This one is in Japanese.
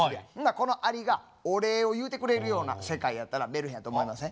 このアリがお礼を言うてくれるような世界やったらメルヘンやと思いません？